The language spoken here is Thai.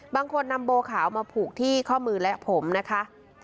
บางคนนำโบขาวมาผูกที่ข้อมือและผมนะคะ